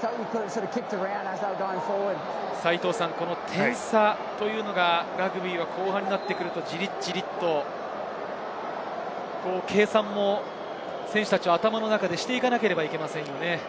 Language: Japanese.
点差というのが、ラグビーは後半になってくるとじりじりと、選手たちは計算も頭の中でしていかなければいけないですね。